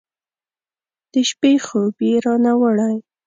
د شپې خوب یې رانه وړی